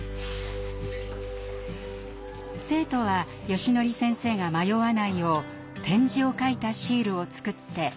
生徒はよしのり先生が迷わないよう点字を書いたシールを作って貼っていきました。